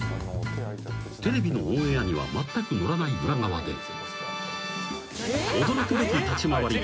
［テレビのオンエアにはまったく乗らない裏側で驚くべき立ち回り。